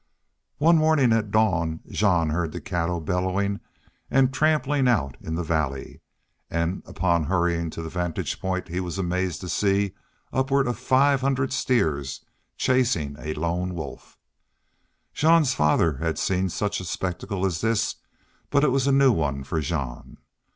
One morning at dawn Jean heard the cattle bellowing and trampling out in the valley; and upon hurrying to a vantage point he was amazed to see upward of five hundred steers chasing a lone wolf. Jean's father had seen such a spectacle as this, but it was a new one for Jean.